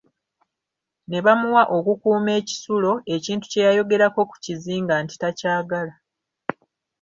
Ne bamuwa okukuuma ekisulo; ekintu kye yayogerako ku kizinga nti takyagala.